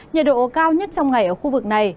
nhiệt độ cao nhất trong ngày ở khu vực này